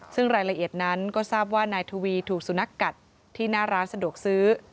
ซึ่งรายละเอียดนั้นก็ทราบว่านายทวีถูกสุนัขกัดที่หน้าร้านสะดวกซื้อ